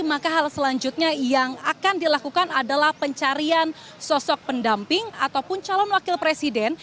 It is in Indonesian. maka hal selanjutnya yang akan dilakukan adalah pencarian sosok pendamping ataupun calon wakil presiden